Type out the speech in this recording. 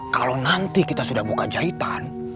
kalau nanti kita sudah buka jahitan